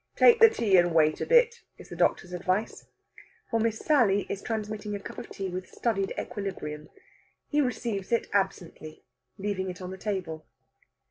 "Take the tea and wait a bit," is the doctor's advice. For Miss Sally is transmitting a cup of tea with studied equilibrium. He receives it absently, leaving it on the table.